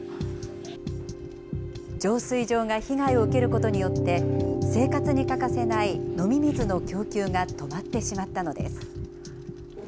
浄水場が被害を受けることによって、生活に欠かせない飲み水の供給が止まってしまったのです。